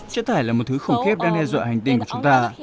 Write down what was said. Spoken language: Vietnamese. chất thải là một thứ khủng khiếp đang đe dọa hành tinh của chúng ta